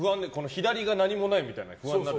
左が何もないみたいな不安になる。